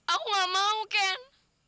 aku gak mau ken